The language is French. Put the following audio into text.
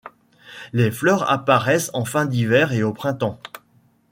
Les fleurs apparaissent en fin d'hiver et au printemps.